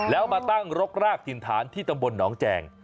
แล้วมาตั้งรกรากถิ่นฐานที่ตำบลหนองแจง